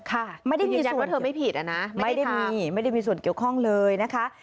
ยืนยันว่าเธอไม่ผิดนะไม่ได้ทำไม่ได้มีส่วนเกี่ยวข้องเลยนะคะ